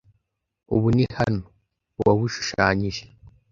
Ubu ni hano: uwashushanyije